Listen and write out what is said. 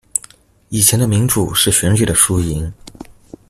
以前的民主是選舉的輸贏